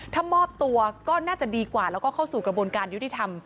ถ้ามอบตัวก็น่าจะดีกว่าแล้วก็เข้าสู่กระบวนการยุติธรรม